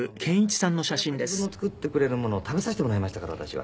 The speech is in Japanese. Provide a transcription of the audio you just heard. そしてやっぱり自分の作ってくれるものを食べさせてもらいましたから私は。